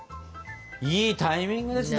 いいタイミングですね。